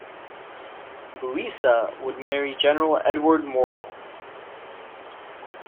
Louisa would marry General Edward Morrell.